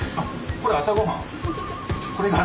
これが朝ごはん。